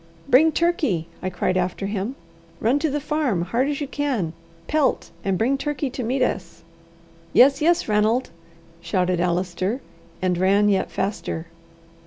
"Bring Turkey!" I cried after him. "Run to the farm as hard as you can pelt, and bring Turkey to meet us." "Yes, yes, Ranald," shouted Allister, and ran yet faster.